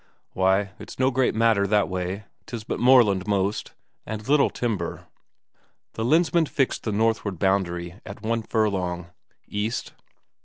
"Why, it's no great matter that way. 'Tis but moorland most, and little timber." The Lensmand fixed the northward boundary at one furlong. "East?"